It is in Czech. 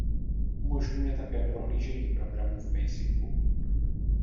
Umožňuje také prohlížení programů v Basicu.